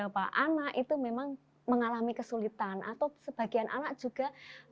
bahasa jawa jadi beberapa anak itu memang mengalami kesulitan atau sebagian anak juga